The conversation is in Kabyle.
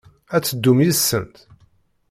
Ad teddum yid-sent?